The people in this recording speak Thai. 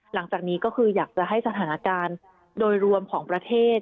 หลังจากนี้ก็คืออยากจะให้สถานการณ์โดยรวมของประเทศ